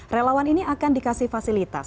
relawan ini akan dikasih fasilitas